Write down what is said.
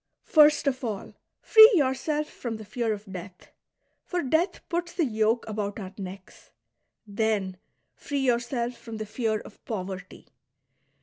First of all, free yourself from the fear of death, for death puts the yoke about our necks ; then free yourself fx'om the fear of poverty.